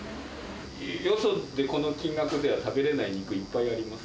よそでこの金額では食べれない肉いっぱいあります。